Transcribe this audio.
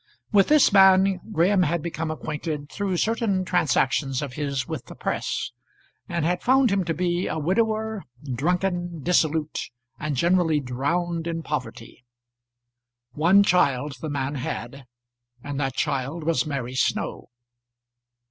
With this man Graham had become acquainted through certain transactions of his with the press, and had found him to be a widower, drunken, dissolute, and generally drowned in poverty. One child the man had, and that child was Mary Snow.